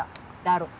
だろ？